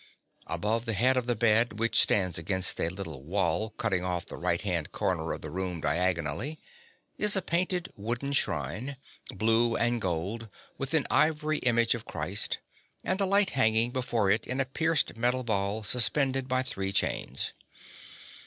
Above the head of the bed, which stands against a little wall cutting off the right hand corner of the room diagonally, is a painted wooden shrine, blue and gold, with an ivory image of Christ, and a light hanging before it in a pierced metal ball suspended by three chains.